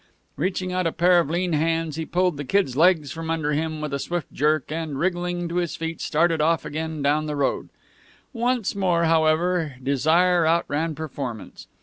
Reaching out a pair of lean hands, he pulled the Kid's legs from under him with a swift jerk, and, wriggling to his feet, started off again down the road. Once more, however, desire outran performance.